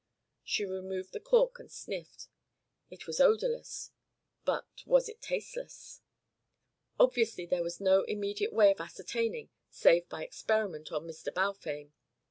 She removed the cork and sniffed. It was odourless, but was it tasteless? Obviously there was no immediate way of ascertaining save by experiment on Mr. Balfame.